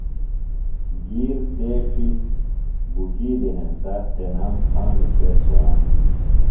گِیر تیڇیۡ بُکِیلہ ہینتہ، تنام تھانوۡ تھےۡ صوان